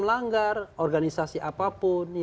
melanggar organisasi apapun